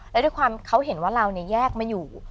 แล้วด้วยความเขาเห็นว่าเราแยกมาอยู่